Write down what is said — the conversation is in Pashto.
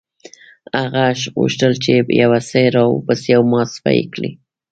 هغه غوښتل چې يو څه را وباسي او محاسبه يې کړي.